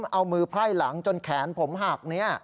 เอามือไพ่หลังจนแขนผมหัก